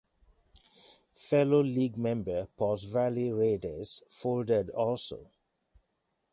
Fellow league member Pauls Valley Raiders folded also.